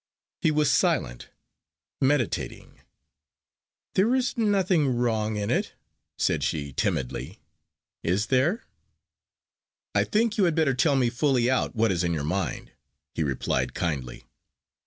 He was silent, meditating. "There is nothing wrong in it," said she, timidly, "is there?" "I think you had better tell me fully out what is in your mind," he replied, kindly.